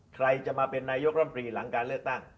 ใครจะมาเป็นนายกรัมปรีหลังการเลือกตั้ง